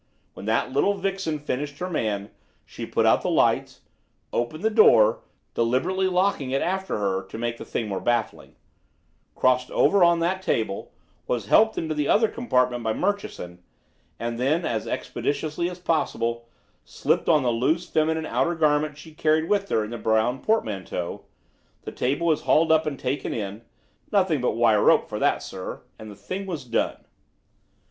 When that little vixen finished her man, she put out the lights, opened the door (deliberately locking it after her to make the thing more baffling), crossed over on that table, was helped into the other compartment by Murchison, and then as expeditiously as possible slipped on the loose feminine outer garments she carried with her in the brown portmanteau, the table was hauled up and taken in nothing but wire rope for that, sir and the thing was done.